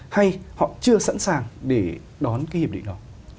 hay họ chưa sẵn sàng để đón cái hiệp định đó